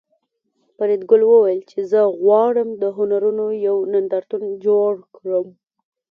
فریدګل وویل چې زه غواړم د هنرونو یو نندارتون جوړ کړم